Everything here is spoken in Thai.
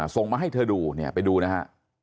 ส่งมาให้เธอดูเนี่ยไปดูนะฮะ